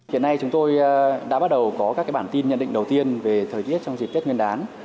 hiện nay chúng tôi đã bắt đầu có các bản tin nhận định đầu tiên về thời tiết trong dịp tết nguyên đán